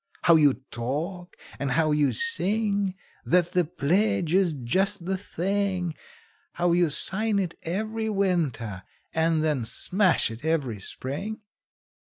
How you talk, and how you sing, That the pledge is just the thing How you sign it every winter, and then smash it every spring?